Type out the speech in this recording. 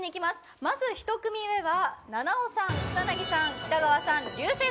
まず１組目は、菜々緒さん草なぎさん、北川さん